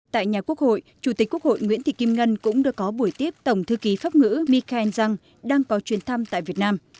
tại nhà quốc hội chủ tịch quốc hội nguyễn thị kim ngân cũng đã có buổi tiếp tổng thư ký pháp ngữ mikeng jung đang có chuyến thăm tại việt nam